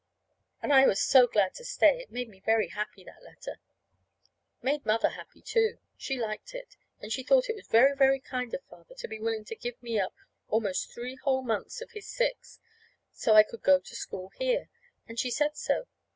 And I was so glad to stay! It made me very happy that letter. It made Mother happy, too. She liked it, and she thought it was very, very kind of Father to be willing to give me up almost three whole months of his six, so I could go to school here. And she said so.